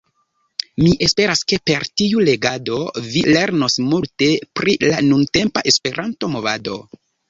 Mi esperas, ke per tiu legado vi lernos multe pri la nuntempa Esperanto-movado.